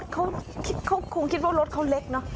เขาคงคิดว่ารถเขาเล็กเนอะ